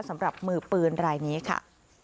สำหรับมือปืนรายนี้ค่ะ